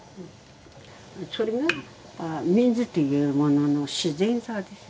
それがミズというものの自然さでしょ。